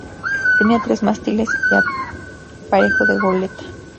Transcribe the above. Tenía tres mástiles y aparejo de goleta.